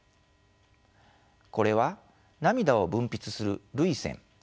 これは涙を分泌する涙腺